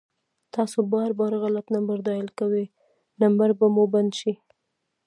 تاسو بار بار غلط نمبر ډائل کوئ ، نمبر به مو بند شي